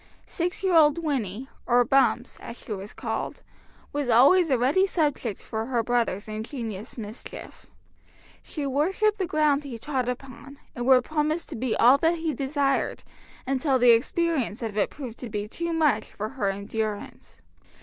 Six year old Winnie, or Bumps, as she was called, was always a ready subject for her brother's ingenious mischief. She worshipped the ground he trod upon, and would promise to be all that he desired, until the experience of it proved too much for her endurance.